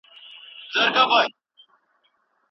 ښوونځي مخکې منظم وو.